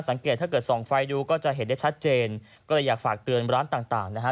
ถ้าเกิดส่องไฟดูก็จะเห็นได้ชัดเจนก็เลยอยากฝากเตือนร้านต่างต่างนะฮะ